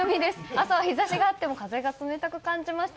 朝は日差しがあっても風が冷たく感じました。